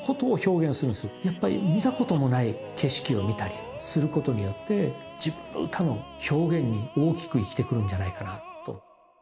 やっぱり見たことのない景色を見たりすることによって自分の歌の表現に大きく生きてくるんじゃないかなと。